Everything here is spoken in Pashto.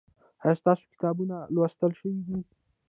ایا ستاسو کتابونه لوستل شوي دي؟